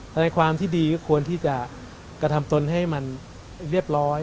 ในความที่ดีก็ควรที่จะกระทำตนให้มันเรียบร้อย